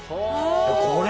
これ！？